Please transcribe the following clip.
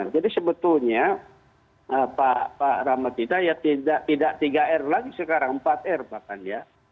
jadi sebetulnya pak ramadita ya tidak tiga r lagi sekarang empat r bahkan ya